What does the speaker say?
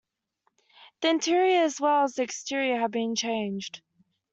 The interior as well as the exterior have been changed.